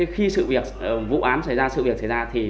khi sự việc vụ án xảy ra